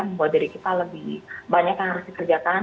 membuat diri kita lebih banyak yang harus dikerjakan